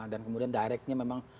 dan kemudian directnya memang